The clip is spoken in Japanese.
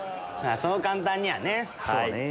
そう簡単にはね。